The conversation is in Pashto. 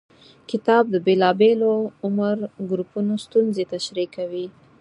کتاب د بېلابېلو عمر ګروپونو ستونزې تشریح کوي.